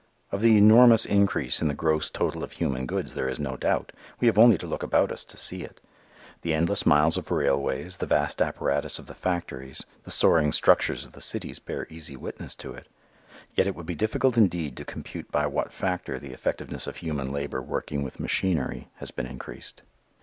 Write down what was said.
Of the enormous increase in the gross total of human goods there is no doubt. We have only to look about us to see it. The endless miles of railways, the vast apparatus of the factories, the soaring structures of the cities bear easy witness to it. Yet it would be difficult indeed to compute by what factor the effectiveness of human labor working with machinery has been increased.